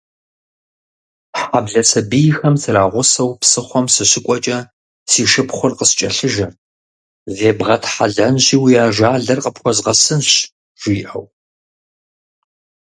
Хьэблэ сабийхэм срагъусэу псыхъуэм сыщыкӏуэкӏэ, си шыпхъур къыскӏэлъыжэрт: «Зебгъэтхьэлэнщи, уи ажалыр къыпхуэзгъэсынщ», - жиӏэу.